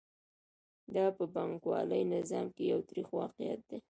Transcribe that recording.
دا په پانګوالي نظام کې یو تریخ واقعیت دی